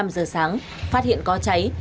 năm giờ sáng phát hiện có cháy